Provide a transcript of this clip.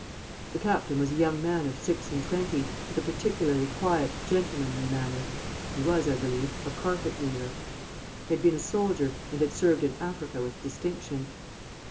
The captain was a young man of six and twenty, with a particularly quiet, gentlemanly manner (he was, I believe, a carpet weaver). He had been a soldier, and had served in Africa with distinction.